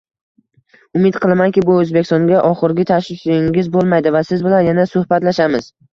Umid qilamanki, bu Oʻzbekistonga oxirgi tashrifingiz boʻlmaydi va siz bilan yana suhbatlashamiz.